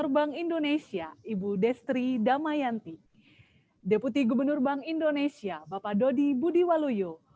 bank indonesia ibu destri damayanti deputi gubernur bank indonesia bapak dodi budiwaluyo